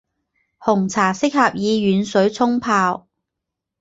红茶适合以软水冲泡。